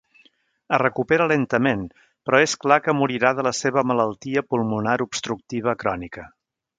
Es recupera lentament però és clar que morirà de la seva malaltia pulmonar obstructiva crònica.